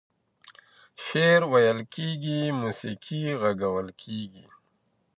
شعر ويل کېږي، موسيقي غږول کېږي.